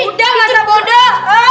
udah gak usah bodoh